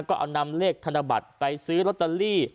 ก็เอานำเลขธนบัตรไปซื้อลอตเตอรี่